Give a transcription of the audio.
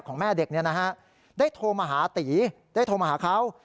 แม่เด็กได้โทรมาหาตีได้โทรมาหาเขา